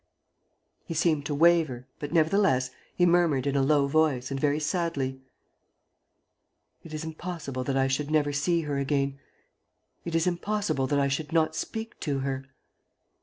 He seemed to waver, but, nevertheless, he murmured in a low voice and very sadly: "It is impossible that I should never see her again, it is impossible that I should not speak to her.